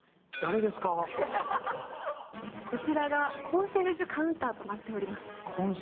こちらがコンシェルジュカウンターとなっています。